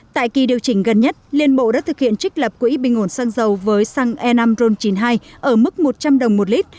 tại kỳ điều chỉnh gần nhất liên bộ đã thực hiện trích lập quỹ bình ổn xăng dầu với xăng e năm ron chín mươi hai ở mức một trăm linh đồng một lít